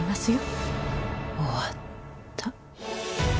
終わった。